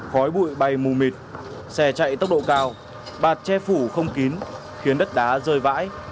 khói bụi bay mù mịt xe chạy tốc độ cao bạt che phủ không kín khiến đất đá rơi vãi